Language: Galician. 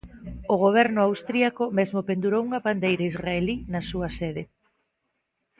O Goberno austríaco mesmo pendurou unha bandeira israelí na súa sede.